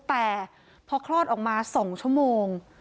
แต่พอคลอดออกมา๒ชั่วโมง